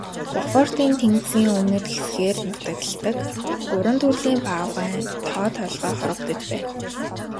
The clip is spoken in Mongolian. Бофортын тэнгисийн өмнөд хэсгээр нутагладаг гурван төрлийн баавгайн тоо толгой хорогдож байна.